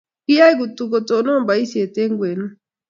kiyai kutuk kotonon boisie eng' kwenut